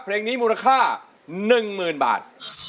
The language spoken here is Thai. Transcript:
เพลงนี้มูลค่า๑๐๐๐บาท